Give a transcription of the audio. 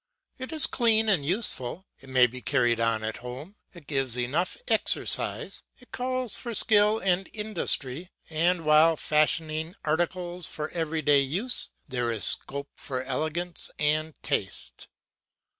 It is clean and useful; it may be carried on at home; it gives enough exercise; it calls for skill and industry, and while fashioning articles for everyday use, there is scope for elegance and taste.